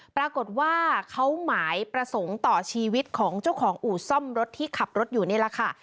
ปรากฏว่าเขาหมายประสงค์ต่อชีวิตของเจ้าของอู่ซ่อมรถที่ขับรถอยู่นี่แหละค่ะ